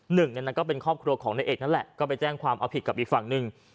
หนึ่งในนั้นก็เป็นครอบครัวของนายเอกนั่นแหละก็ไปแจ้งความเอาผิดกับอีกฝั่งหนึ่ง